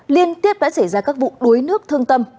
liên tiếp đã xảy ra các vụ đuối nước thương tâm